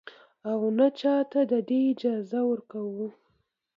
او نـه چـاتـه د دې اجـازه ورکـو.